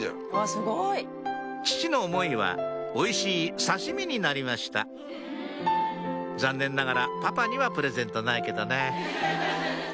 父の思いはおいしい刺身になりました残念ながらパパにはプレゼントないけどね